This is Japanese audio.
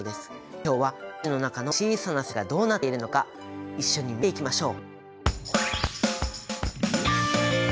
今日は原子の中の小さな世界がどうなっているのか一緒に見ていきましょう！